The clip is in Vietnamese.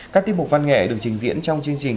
các tiết mục văn nghệ được trình diễn trong chương trình